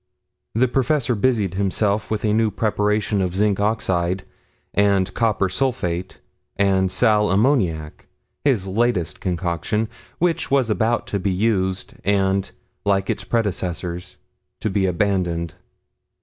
The professor busied himself with a new preparation of zinc oxide and copper sulphate and sal ammoniac, his latest concoction, which was about to be used and, like its predecessors, to be abandoned.